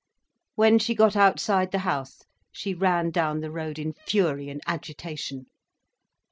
When she got outside the house she ran down the road in fury and agitation.